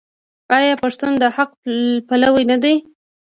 آیا پښتون د حق پلوی نه دی؟